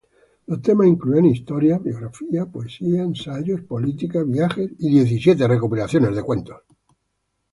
Los temas incluían historia, biografía, poesía, ensayos, política, viaje y diecisiete recopilaciones de cuentos.